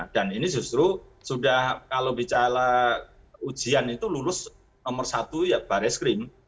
dan ini justru sudah kalau bicara ujian itu lulus nomor satu ya barreskrim